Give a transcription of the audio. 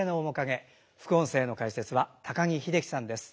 副音声の解説は高木秀樹さんです。